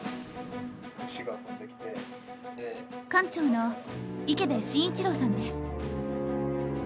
館長の池辺伸一郎さんです。